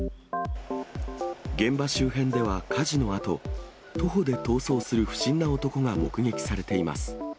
現場周辺では火事のあと、徒歩で逃走する不審な男が目撃されています。